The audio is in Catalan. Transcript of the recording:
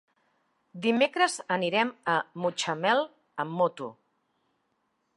Dimecres anirem a Mutxamel amb moto.